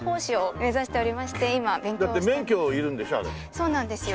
そうなんですよ。